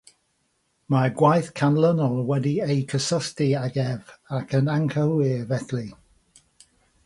Mae'r gwaith canlynol wedi eu cysylltu ag ef, ac yn anghywir felly.